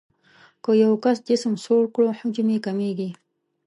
که یو جسم سوړ کړو حجم یې کمیږي.